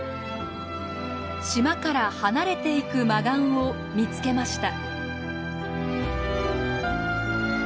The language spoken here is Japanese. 島から離れていくマガンを見つけました。